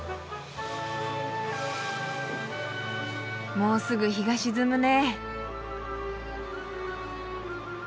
もうすぐ日が沈むね。